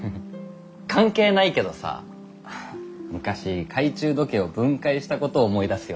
関係ないけどさ昔懐中時計を分解したことを思い出すよ。